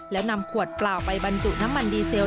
แล้วนำขวดเปล่าไปบรรจุน้ำมันดีเซล